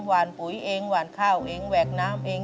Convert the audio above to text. หวานปุ๋ยเองหวานข้าวเองแหวกน้ำเอง